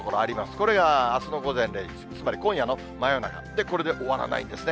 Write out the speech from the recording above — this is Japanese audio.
これがあすの午前０時、つまり今夜の真夜中、これで終わらないんですね。